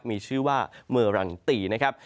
มีชื่อว่าเมอรันตีนะครับ